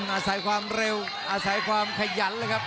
อาศัยความเร็วอาศัยความขยันเลยครับ